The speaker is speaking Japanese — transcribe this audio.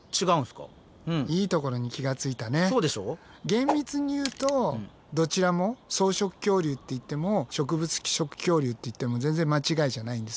厳密に言うとどちらも草食恐竜って言っても植物食恐竜って言っても全然間違いじゃないんですけど。